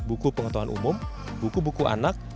buku pengetahuan umum buku buku anak